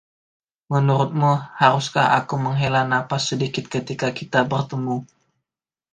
Menurutmu, haruskah aku menghela napas sedikit ketika kita bertemu?